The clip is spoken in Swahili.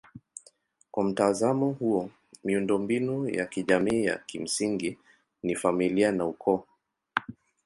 Kwa mtazamo huo miundombinu ya kijamii ya kimsingi ni familia na ukoo.